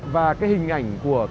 và cái hình ảnh của người phụ nữ